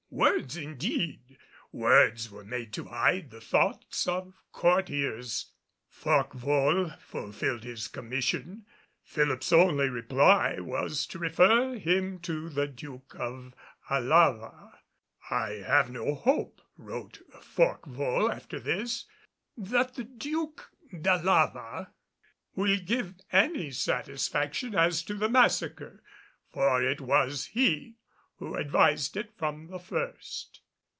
Words indeed! Words were made to hide the thoughts of courtiers! Forquevaulx fulfilled his commission. Philip's only reply was to refer him to the Duke of Alava. "I have no hope," wrote Forquevaulx after this, "that the Duke d'Alava will give any satisfaction as to the massacre, for it was he who advised it from the first."